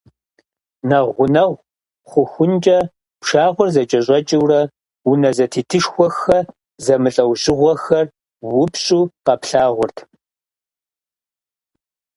Нэхъ гъунэгъу хъухункӏэ, пшагъуэр зэкӏэщӏэкӏыурэ, унэ зэтетышхуэхэ зэмылӏэужьыгъуэхэр упщӏу къэплъагъурт.